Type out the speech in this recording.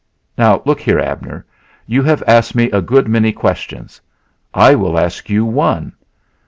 Now, look here, Abner, you have asked me a good many questions. I will ask you one.